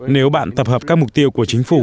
nếu bạn tập hợp các mục tiêu của chính phủ